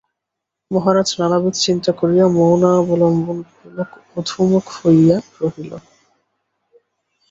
মহারাজ নানাবিধ চিন্তা করিয়া মৌনাবলম্বনপূর্বক অধোমুখ হইয়া রহিল।